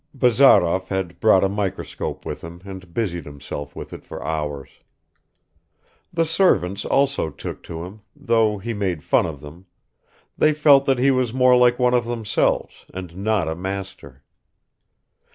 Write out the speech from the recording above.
Bazarov had brought a microscope with him and busied himself with it for hours. The servants also took to him, though he made fun of them; they felt that he was more like one of themselves, and not a master.